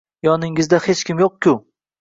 Yoningizda hech kim yo`q-ku